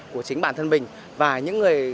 của chính bản thân mình và những người